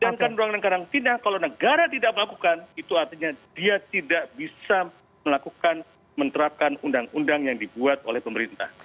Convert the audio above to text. sedangkan ruangan karantina kalau negara tidak melakukan itu artinya dia tidak bisa melakukan menerapkan undang undang yang dibuat oleh pemerintah